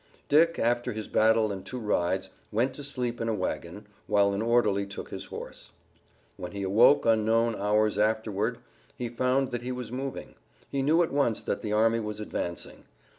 Dick, after his battle and two rides, went to sleep in a wagon, while an orderly took his horse. When he awoke unknown hours afterward he found that he was moving. He knew at once that the army was advancing.